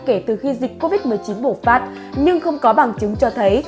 kể từ khi dịch covid một mươi chín bùng phát nhưng không có bằng chứng cho thấy